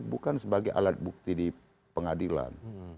bukan sebagai alat bukti di pengadilan